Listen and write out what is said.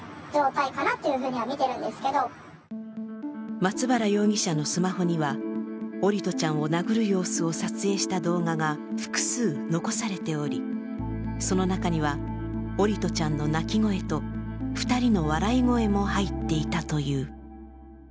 松原容疑者のスマホには桜利斗ちゃんを殴る様子を撮影した動画が複数残されており、その中には、桜利斗ちゃんの泣き声と２人の笑い声も入っていたという。